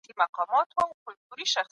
دا چي دي شعرونه د زړه جيب كي وړي